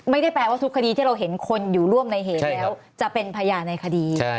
ไม่ได้แปลว่าทุกคดีที่เราเห็นคนอยู่ร่วมในเหตุแล้วจะเป็นพยานในคดี